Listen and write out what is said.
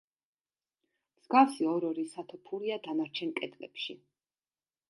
მსგავსი ორ-ორი სათოფურია დანარჩენ კედლებში.